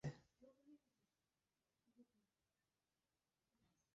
Tirkiyeyê topbarana xwe li Rojavayê Kurdistanê dijwartir kiriye.